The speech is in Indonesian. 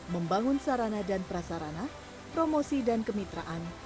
membangun sarana dan prasarana promosi dan kemitraan